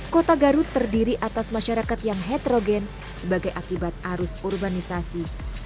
kota garut terdiri atas masyarakat yang heterogen sebagai akibat arus urbanisasi